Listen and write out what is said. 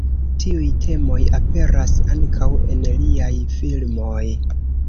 Tiuj temoj aperas ankaŭ en liaj filmoj.